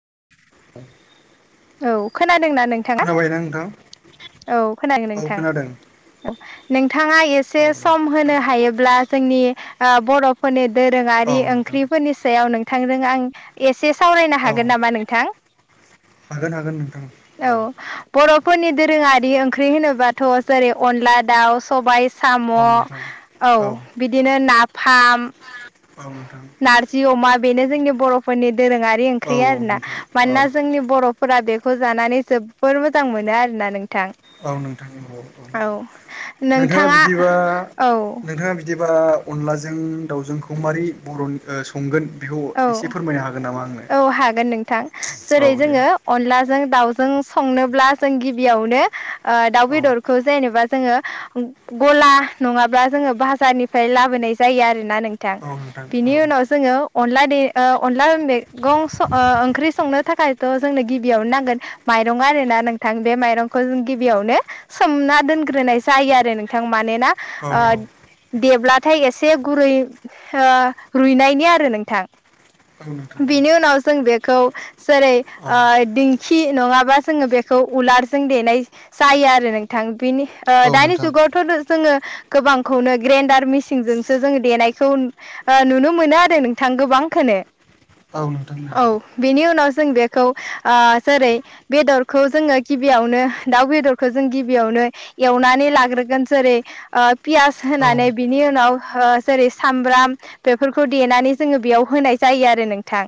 [inaudible] औ खोनादोंना नोंथाङा? खोनाबायना नोंथां औ खोनादों औ नोंथां खोनादों औ। नोंथाङा एसे औ दे सम होनो हायोब्ला जोंनि बर'फोरनि औ दोरोङारि नोंथां ओंख्रिफोरनि सायाव नोंथांजों आं एसे एसे सावरायनो औ हागोन नामा नोंथां? हागोन हागोन नोंथां औ। बर'फोरनि दोरोङारि ओंख्रि होनोबाथ' जेरै अनला दाव सबाय साम' औ नोंथां औ बिदिनो नाफाम औ नोंथां नारजि अमा बेनो जोंनि बर'फोरनि दोरोङारि औ नोंथां औ ओंख्रिया आरोना नोंथां औ मानोना जोंनि बर'। फोरा बेखौ जानानै जोब्बोर मोजां मोनो आरो ना नों। औ नोंथांनि [unintelligible] नोंथाङा बिदिबा औ नोंथाङा बिदि। बा अनलाजों दावजोंखौ मारै बर'नि संगोन? बेखौ एसे फोरमायनो हागोन नामा आंनो औ-औ हागोन नोंथां औ जेरै दे जोङो अनलाजों दावजों। जों संनोब्ला जों गिबियावनो ओ दाव औ बेदरखौ जेनेबा। जोङो गला नङाब्ला जोङो बाजारनिफ्राय लाबोनाय जायो आरोना नों। बिथां औ नोंथां औ बिनि उनाव जोङो। अनला दे ओ अनला मेगं सं ओंख्रि संनो थाखायथ' जोंनो गिबियावनो नांगोन माय। माइरं आरोना नोंथां बे माइरंखौ जों गिबियावनो सोमना दोनग्रोनाय जायो आरो नोंथां। मानोना औ ओ। देब्लाथाय एसे गुरै ओ रुइनायनि आरो नोंथां। औ नोंथां बिनि उनाव जों बेखौ जेरै औ ओ दिंखि नङाबा जोङो बेखौ। उलारजों देनाय जायो आरो नोंथां बिनि औ दानि नोंथां जुगावथ' जोङो। गोबांखौनो ग्रेन्डार मिसिनजोंसो जों देनायखौ ओ नुनो मोनो आरो नों थां गोबां खोनो। औ नोंथां। बेनि उनाव जों बेखौ ओ जेरै बेदरखौ जोङो गिबियावनो दाव बेदरखौ जों। गिबियावनो एवनानै लाग्रोगोन जेरै ओ पियास होनानै बिनि उनाव हो। जेरै सामब्राम बेफोरखौ देनानै। जोङो बेयाव होनाय जायो आरो नोंथां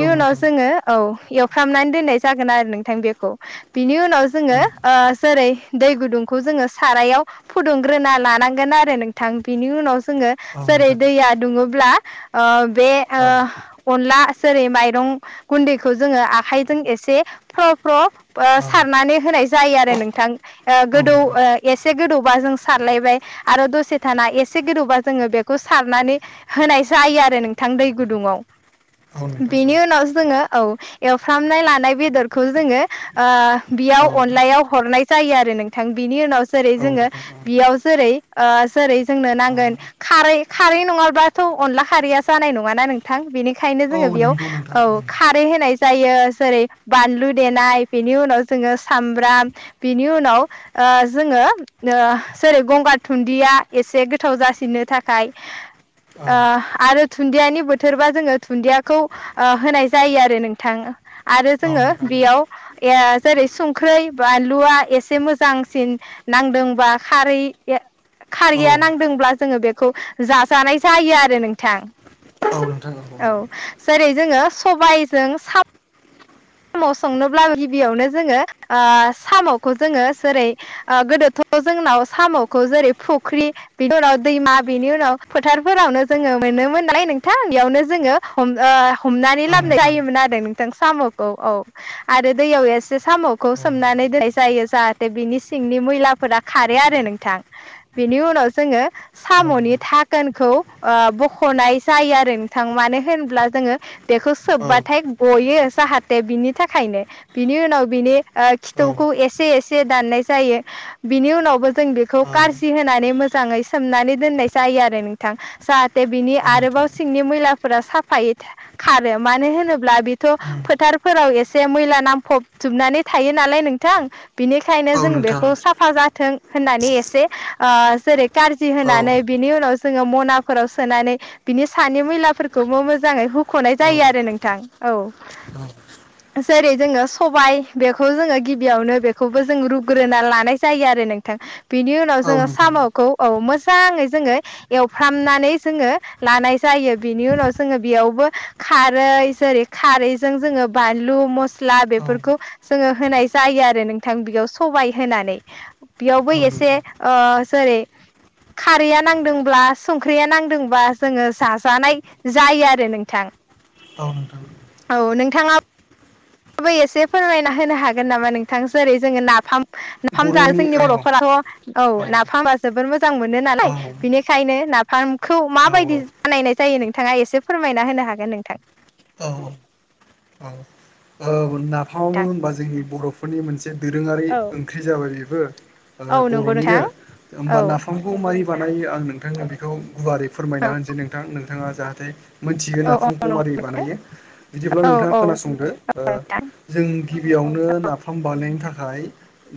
औ उनाव नोंथां जोङो औ एवफ्रामनानै दोननाय जागोन। आरो नोंथां बेखौ बिनि उनाव जोङो ओ जेरै दै गुदुंखौ जोङो सारायाव। फुदुंग्रोना लानांगोन आरो नोंथां बिनि उनाव जोङो औ जेरै नोंथां दैया दुङोब्ला। ओ बे औ ओ अनला जेरै माइरं गुन्दैखौ जोङो आखाइजों एसे। फ्र-फ्र औ सारनानै होनाय जायो आरो नोंथां औ गोदौ नोंथां एसे गोदौबा। जों सारलायबाय आरो दसे थाना एसे गोदौबा जोङो बेखौ सारनानै होनाय। जायो आरो नोंथां दै गुदुङाव। औ नोंथां औ बिनि उनाव जोङो औ एवफ्रामनाय लानाय बेदरखौ जोङो ओ औ बेयाव। अनलायाव हरनाय जायो आरो नोंथां बिनि उनाव जेरै औ जोङो नोंथां औ बेयाव जेरै-ओ जेरै- जोंनो औ नांगोन खारै-खारै नङाबाथ' अनला। खारैया जानाय नङा ना नोंथां बेनिखायनो औ जोङो बेयाव नंगौ नोंथां औ खारै होनाय। जायो जेरै बानलु देनाय बेनि उनाव जोङो सामब्राम बेनि उनाव। जोङो ओ जेरै गंगार धुनन्दिया एसे गोथाव जासिननो थाखाय। औ ओ। आरो धुन्दियानि बोथोरबा जोङो धुन्दियाखौ होनाय जायो आरो नोंथां आरो। औ जोङो नोंथां बेयाव। ए जेरै सुंख्रै, बानलुआ एसे मोजांसिन नांदोंबा खारै। औ खारैया नांदोंब्ला जोङो बेखौ जाजानाय जायो आरो नोंथां। औ जेरै जोङो सबायाइजों सा। साम' संनोब्ला गिबियावनो जोङो ओ साम'खौ जोङो जेरै गोदोथ'। जोंनाव साम'खौ जेरै फुख्रि बिनि उनाव दैमा बिनि उनाव फोथारफोरावनो जोङो। मोनोमोन नालाय नोंथां बेयावनो जोङो ओ हमनानै औ लाबोन नोंथां जायोमोन आरो नोंथां साम'। औ-औ आरो दैयाव एसे साम'खौ औ सोमनानै दोननाय जायो जाहाते बिनि सिंनि मैला। फोरा खारो आरो नोंथां बेनि उनाव जोङो औ साम'नि धाकोनखौ। बख'नाय जायो आरो नोंथां मानो होनब्ला जोङो बेखौ औ सोबबाथाय गयो जाहात। दे बिनि थाखायनो बिनि उनाव बिनि ओ खिथौखौ एसे- एसे दाननाय जायो। बिनि उनावबो जों बेखौ कारजि होनानै मो। मोजाङै सोमनानै दोननाय जायो आरो नोंथां जाहाते बिनि आरोबाव औ नोंथां औ नोंथां औ सिंनि मैलाफोरा साफाइयै। खारो मानो होनोब्ला बेथ' नोंथां औ फोथार। फोराव एसे मैला नांफब जोबनानै थायो नालाय नोंथां। बिनिखायनो औ जों नोंथां बेखौ साफा जाथों होननानै एसे ओ जेरै- कारजि होनानै बिनि उनाव। जोङो मनाफोराव सोनानै बिनि सानै मैलाफोरखौबो मोजाङै होख'नाय जायो आरो नोंथां। औ। जेरै जोङो सबाय बेखौ जोङो गिबियावनो बेखौबो जों रुग्रोना लानाय जायो आरो। नोंथां बिनि उनाव जोङो साम'खौ औ मोज। मोजाङै जोङो एवफ्रामनानै जोङो लानाय जायो बेनि उनाव जोङो बेयावबो खा। खारै जेरै खारैजों जोङो। बानलु मस्ला बेफोरखौ जोङो होनाय जायो आरो नोंथां बेयाव सबाय होनानै। बियावबो एसे ओ जेरै- खारैया नांदोंब्ला संख्रिया नांदोंब्ला जोङो जाजानाय जायो आरो नोंथां। औ। नोंबो एसे फोरमायना होनो हागोन नामा नोंथां जेरै जोङो नाफाम। नाफाम जा बर'नि जोंनि औ बर'फोराथ औ नाफामा जोबोद मोजां मोनो नालाय बिनिखायनो ना। नाफामखौ औ माबायदि बानायनाय जायो नोंथाङा एसे फोरमायना होनो हागोन नोंथां। औ [unintelligible] औ नाफामावबो नोंथां होनबा जोंनि बर'फोरनि मोनसे दोरोङारि ओंख्रि जाबाय बेबो। ओ औ बर'निनो होमबा नाफामखौ मारै बानायो आं नोंथांनो बेखौ गुवारै फोरमायना होनसै नोंथां नोंथाङा जाहाथे। मोनथियो नाफामखौ मारै नंगौ नोंथां बानायो बिदिब्ला नोंथाङा खोनासंदो। औ जों गिबियावनो नाफाम बानायनायनि थाखाय।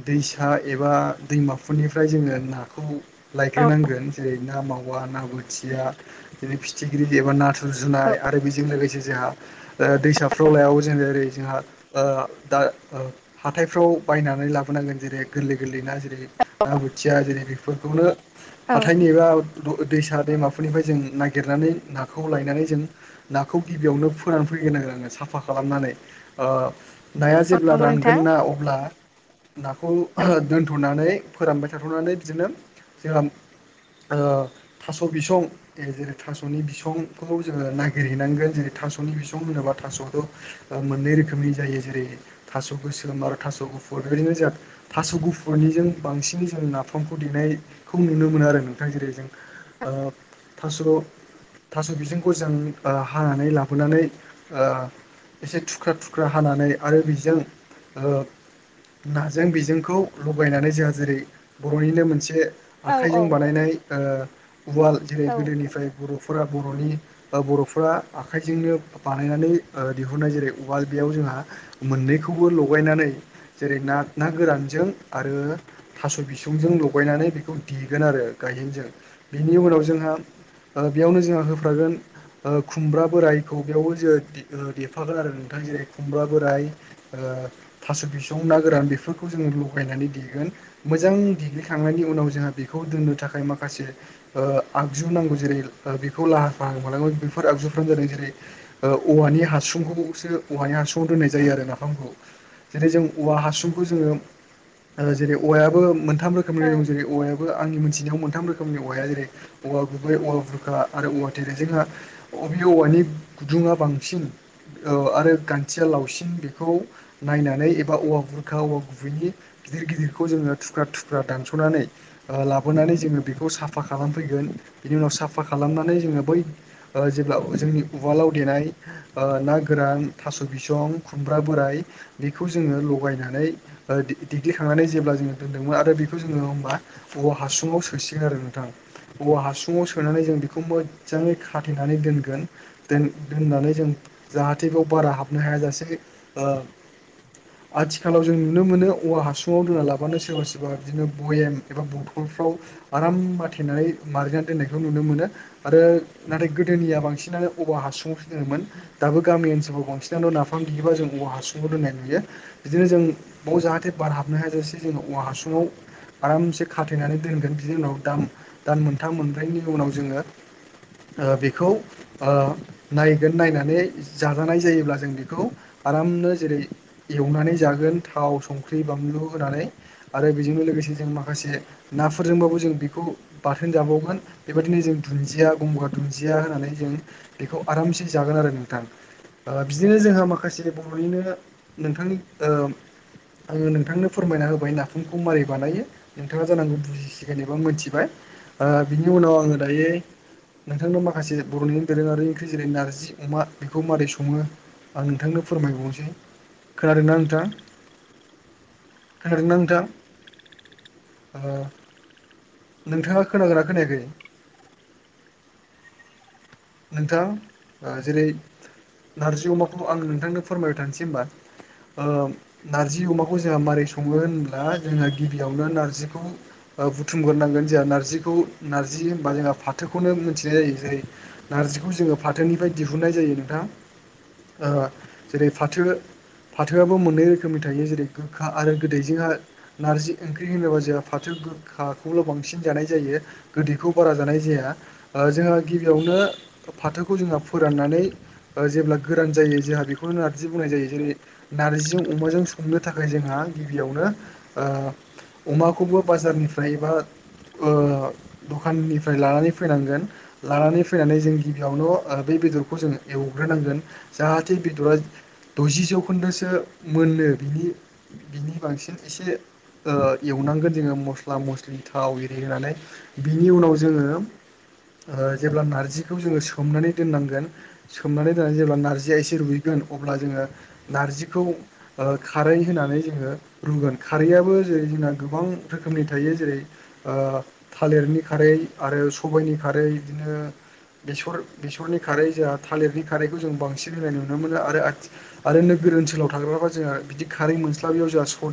दैसा एबा दैमाफोरनिफ्राय जोङो नाखौ औ लायग्रोनांगोन जेरै ना माव। औ ना बोथिया जेरै फिथिख्रि एबा ना। थुर सुजुनाय आरो बेजों लोगोसे जोंहा ओ दैसाफ्राव लायावो जों ओरै जोंहा। ओ दा ओ हाथायफ्राव बायनानै लाबोनांगोन जेरै गोरलै गोरलै ना जेरै ना। थिया जेरै बेफोरखौनो औ नंगौ नोंथां औ नोंथां औ हाथायनि एबा दैसा दैमाफोरनिफ्राय जों ना। नागिरनानै नाखौ लायनानै जों नाखौ गिबियावनो फोरानै फैगोन आरो आङो साफा खालामनानै। ओ नाया जेब्ला नंगौ रानगोन नोंथां ना अब्ला नाखौ औ औ दोनथ'नानै। फोरानबाय थाथ'नानै बिदिनो जोंहा। ओ थास' बिसं जेरै थास'नि बिसंखौ जोङो नागिरहैनांगोन जेरै- थास'नि बिसं होनोबा थास'आथ' मोननै रोखोम। रोखोमनि जायो जेरै थास' गोसोम आरो थास' गुफुर बेबायदिनो जा थास' गुफुरनिजों बांसिन। बांसिन जों नाफामखौ देनायखौ नुनो मोनो आरो नोंथां जेरै जों। ओ थास'। थास' बिजोंंखौ जों ओ हानानै लाबोनानै ओ एसे थुख्रा थुख ख्रा हानानै आरो बिजों ओ। नाजों बिजोंखौ लगायनानै जोंहा जेरै बर'निनो मोनसे। औ आखाइजों बानायनाय ओ उवाल जेरै औ गोदोनिफ्राय ग। फोर बरनि ओ बर'फोरा आखाइजोंनो बानायनानै ओ दिहुनाय जेरै- बाल बेयाव जोंहा मोननैखौबो लगायनानै जेरै ना ना गोरानजों आरो। थास' बिसंजों लगायनानै बेखौ देगोन आरो गायहेनजों बिनि उनाव जोंहा। बेयावनो जोंहा होफागोन खुमब्रा बोरायखौ बेयावबो जोङो देफागोन आरो। थां जेरै खुमब्रा बोराइ थास' बिसं ना गोरान बेफोरखौ जोङो लगायनानै देगोन। मोजां देग्लिखांनायनि उनाव जोंहा बेखौ दोननो थाखाय माखासे ओ आगजु नांगौ जेरै- बे बेखौ लाहार फाहार खालामो बेफोर आगजुफ्रानो जादों जेरै औवानि हासुंखौसो। औवानि हासुुंआव दोननाय जायो आरो नाफामखौ जेरै जों औवा हासुंखौ जोङो जेरै औवायाबो मोनथाम रोखोमनि दं औ जेरै औवा आंनि मोनथिनायाव मोनथाम रोखोमनि औवाया जेरै औवा गुबै औवा बुरखा आरो औवा थेरो जोंहा अबि औवानि गुदुङा बांसिन अ आरो गान्थिया लावसिन बेखौ नायनानै एबा औवा बुरखा औवा गुबैनि गिदिर गिदिरखौ जोङो थुख्राथुख्रा दानसनानै ओ लाबोनानै जोङो बेखौ साफ साफा खालामफैगोन बिनि उनाव साफा खालामनानै जोङो बै जेब्ला जोंनि उवालाव देनाय ओ ना गोरान थास' बिसं खुमब्रा बोराय बेखौ जोङो लगायनानै देग्लिखांनानै जेब्ला जोङो दोनदोंमोन आरो बेखौ जोङो होमबा औवा हासुंआव सोसिगोन आरो नोंथां औव हासुुंआव सोनानै जों बिखौ मोजांङै खाथेनानै दोनगोन दोन दोननानै जों जाहाथे बारा हाबनो हायाजासे ओ आथिखालाव जों नुनो मोनो औवा हासुुंआव दोनना लाबानो सोरबा सोरबा बिदिनो भयेम एबा बथल फ्राव आराम माथेनानै मारिनानै दोननायखौ नुनो मोनो आरो नाथाय गोदोनिया बांसिन नानो औवा हासुंआवसो दोनोमोन दाबो गामि ओनसोलाव बांसिनानो नाफाम देबा जों औवा हासुआव दोननाय नुयो बिदिनो जों बेयाव जाहाथे बार हा हमनाय हाजासे सिलिंआव औवा हासुङाव आरामसे खाथेनानै दोनगोन बिनि उनाव दाम दान मोनथाम मोनब्रैनि उनाव जोङो बेखौ ओ नायगोन नायनानै जाजानाय जायोब्ला जों बेखौ आरामनो जेरै एवनानै जागोन थाव संख्रि बानलु होनानै आरो बेजोंनो लोगोसे जों माखासे नाफोरजोंबाबो जों बेखौ बाथोन जाबावगोन बेबायदिनो जों दुन्दिया गंगार दुन्दिया होननानै जों बेखौ आरामसे जागोन आरो नोंथां आ बिदिनो जोंहा माखासे बर'निनो नोंथांनि ओ आङो नोंथांनो फोरमायना होबाय नाफामखौ मारोरै बानायो नोंथाङा जानांगौ बुजिसिगोन एबा मिथिबाय आ बिनिनो उनाव आङो दायो नोंथांनो माखासे बर'नि दोरोङारि ओंख़ि जेरै नारजि अमा बेखौ मारै स सङो आं नोंथांनो फोरमायबावनोसै खोनादोंना नोंथां खोनादोंना नोंथां? ओ नोंथाङा खोनागोनना खोनायाखै नोंथां जेरै नारजि अमाखौ आं नोंथांनो फोरमायबाय थानोसै होमबा ओ नार्जि अमाखौ जोंहा माबोरै सङो होनब्ला जोंहा गिबियावनो नार्जिखौ बुथुमग्रोनांगोन जोंहा नारजिखौ नारजि होनबा जोंहा फाथोखौनो मोनथिनाय जायो जेरै नारजिखौ जोङो फाथोनिफ्राय दिहुननाय जायो नोंथां ओ जेरै फाथो फाथोआबो मोननै रोखोमनि थायो जेरै गोखा आरो गोदै जोंहा नारजि ओंख्रि होनोबा जोंहा फाथो गोखाखौल' बांसिन जानाय जायो गोदैखौ बारा जानाय जाया जोंहा गिबियावनो फाथोखौ जोङो फोराननानै जेब्ला गोरान जायो जोंहा बेखौनो नार्जि बुंनाय जायो जेरै नार्जिजों अमाजों संनो थाखाय जोंहा गिबियावनो ओ अमाखौबो बाजारनिफ्रायबा ओ दखाननिफ्राय लानानै फैनांगोन लानानै फैनानै जों गिबियावनो बे बेदरखौ जोङो एवग्रोनांगोन जाहाथे बेदरा द'जि जौखोन्दोसो मोननो बिनि बिनि बांसिन एसे एव सनांगोन जोङो मस्ला मस्लि थाव इरि होनानै बिनि उनाव जोङो ओ जेब्ला नारजिखौ जोङो सोमनानै दोननांगोन सोमनानै दोननानै जेब्ला नारजिया एसे रुइगोन अब्ला जोङो नारजिखौ ओ खारै होनानै नै जोङो रुगोन खारैयाबो जेरै गोबां रोखोमनि थायो जेरै ओ था थालिरनि खारै आरो सबायनि खारै बिदिनो बेसरनि खारै जोंहा थालिरनि खारैखौ जों बांसिन होनाय नुनो मोनो आरो आरो नोगोर ओनसोलाव थाग्राबा जोंहा बिदि खारै जसब बेयाव जों सदा